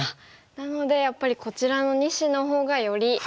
なのでやっぱりこちらの２子のほうがより危ない石。